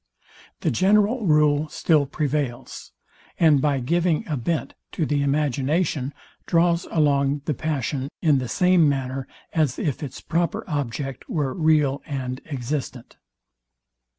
The general rule still prevails, and by giving a bent to the imagination draws along the passion, in the same manner as if its proper object were real and existent.